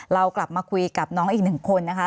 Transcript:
เรากลับมาคุยกับน้องอีกหนึ่งคนนะคะ